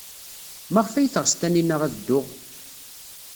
Maɣef ay teɣs Taninna ad dduɣ?